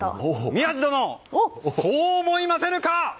宮司殿、そう思いませぬか！